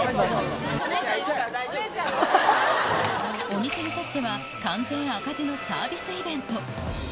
お店にとっては、完全赤字のサービスイベント。